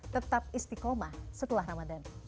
tetap istiqomah setelah ramadan